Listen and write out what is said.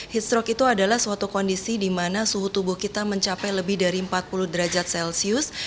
heat stroke itu adalah suatu kondisi di mana suhu tubuh kita mencapai lebih dari empat puluh derajat celcius